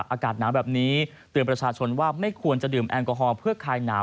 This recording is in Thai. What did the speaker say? อากาศหนาวแบบนี้เตือนประชาชนว่าไม่ควรจะดื่มแอลกอฮอลเพื่อคลายหนาว